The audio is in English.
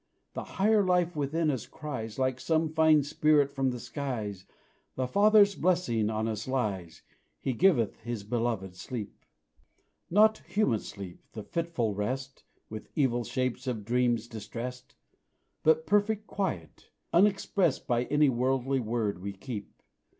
The higher life within us cries, Like some fine spirit from the skies, "The Father's blessing on us lies 'He giveth His beloved sleep.'" Not human sleep the fitful rest With evil shapes of dreams distressed, But perfect quiet, unexpressed By any worldly word we keep.